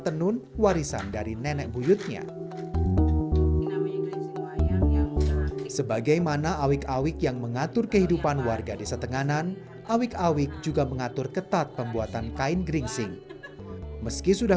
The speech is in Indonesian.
tapi secara hukum adat tenganan mereka salah